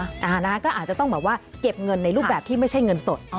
อ่านะคะก็อาจจะต้องแบบว่าเก็บเงินในรูปแบบที่ไม่ใช่เงินสด